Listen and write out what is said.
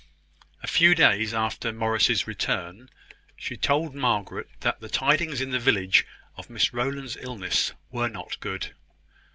A few days after Morris's return, she told Margaret that the tidings in the village of Miss Rowland's illness were not good.